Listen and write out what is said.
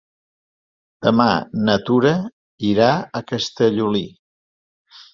Demà na Tura irà a Castellolí.